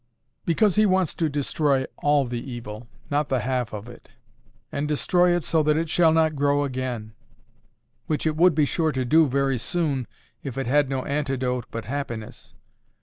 "Because He wants to destroy ALL the evil, not the half of it; and destroy it so that it shall not grow again; which it would be sure to do very soon if it had no antidote but happiness.